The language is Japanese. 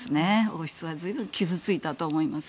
王室は随分傷付いたと思います。